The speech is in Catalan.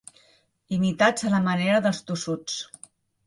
Imitats a la manera dels tossuts.